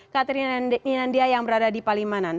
katrina ndian dia yang berada di palimanan